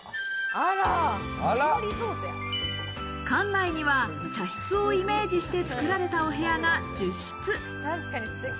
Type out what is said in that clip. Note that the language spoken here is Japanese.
館内には茶室をイメージして作られたお部屋が１０室。